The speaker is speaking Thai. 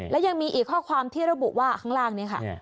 และยังมีอีกข้อความที่ระบุว่าข้างล่างนี้ค่ะ